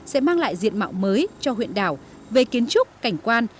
sẽ mang lại diện mạo mới cho huyện đảo về kiến trúc cảnh quan